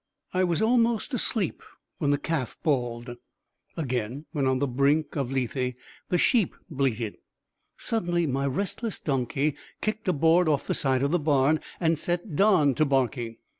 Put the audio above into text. I was almost asleep when the calf bawled; again when on the brink of Lethe, the sheep bleated. Suddenly my restless donkey kicked a board off the side of the barn and set Don to barking.